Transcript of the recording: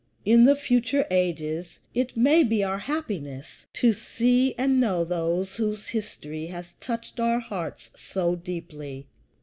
In the future ages it may be our happiness to see and know those whose history has touched our hearts so deeply.